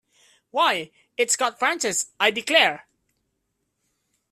Why, it’s got branches, I declare!